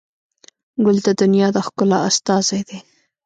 ګل د دنیا د ښکلا استازی دی.